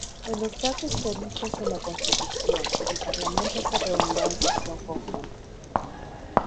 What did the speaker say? En los casos previstos en la Constitución, el Parlamento se reunirá en sesión conjunta.